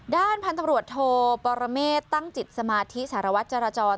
ด้านพันธุ์ตำรวจโทปรเมฆตั้งจิตสมาธิสารวัตรจรจร